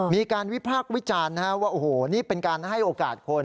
มีการวิพากษ์วิจารณ์ว่าโอ้โหนี่เป็นการให้โอกาสคน